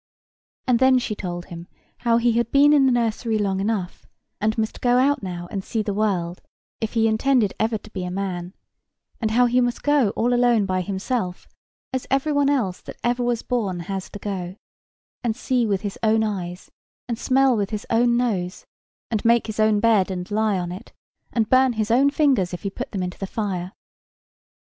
And then she told him how he had been in the nursery long enough, and must go out now and see the world, if he intended ever to be a man; and how he must go all alone by himself, as every one else that ever was born has to go, and see with his own eyes, and smell with his own nose, and make his own bed and lie on it, and burn his own fingers if he put them into the fire.